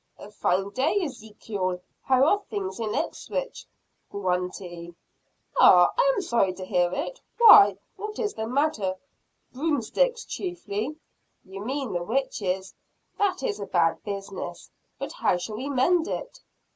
"A fine day Ezekiel how are things in Ipswich?" "Grunty!" "Ah! I am sorry to hear it. Why, what is the matter?" "Broomsticks, chiefly." "You mean the witches. That is a bad business. But how shall we mend it?"